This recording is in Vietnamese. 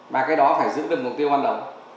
mà cái đó phải giữ được mục tiêu hoàn đồng